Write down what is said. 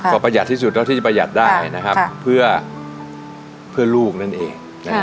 ก็ประหยัดที่สุดที่จะประหยัดได้นะครับเพื่อลูกนั่นเอง